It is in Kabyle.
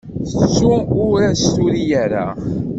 Tettu ur as-turi ara.